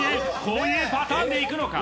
こういうパターンでいくのか？